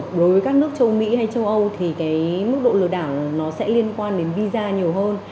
đối với các nước châu mỹ hay châu âu thì mức độ lừa đảo nó sẽ liên quan đến visa nhiều hơn